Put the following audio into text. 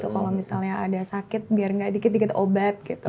kalau misalnya ada sakit biar nggak dikit dikit obat gitu